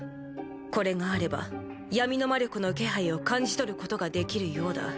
これがあれば闇の魔力の気配を感じ取ることができるようだ。